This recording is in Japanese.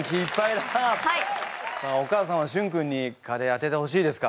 さあお母さんはしゅん君にカレー当ててほしいですか？